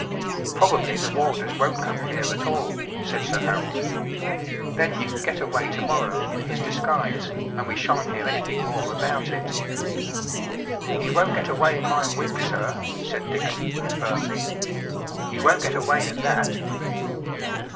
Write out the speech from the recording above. ” “ Probably the warders won’t come here at all,” said Sir Harold. “ Then he can get away to morrow in his disguise, and we sha’n’t hear anything more about it.” “ He won’t get away in my wig, sir,” said Dickson, firmly. “ He won’t get away in that.